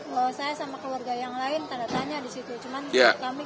bawa saya sama keluarga yang lain tanda tanya disitu